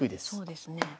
そうですね。